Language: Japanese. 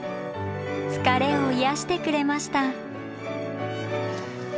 疲れを癒やしてくれました。